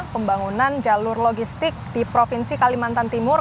pembangunan jalur logistik di provinsi kalimantan timur